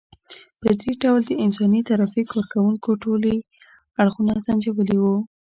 په دې ډول د انساني ترافیک کار کوونکو ټولي اړخونه سنجولي وو.